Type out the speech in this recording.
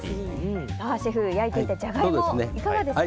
さあシェフ、焼いていたジャガイモはいかがですか？